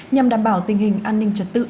nhằm đảm bảo tình hình an ninh trật tự